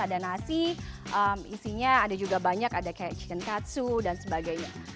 ada nasi isinya ada juga banyak ada kayak chicken katsu dan sebagainya